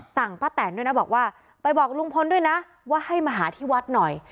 ป้าแตนด้วยนะบอกว่าไปบอกลุงพลด้วยนะว่าให้มาหาที่วัดหน่อย